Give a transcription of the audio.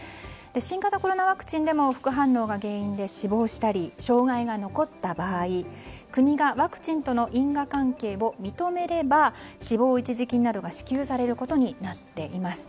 新型コロナワクチンでも副反応が原因で死亡したり、障害が残った場合国がワクチンとの因果関係を認めれば死亡一時金などが支給されることになっています。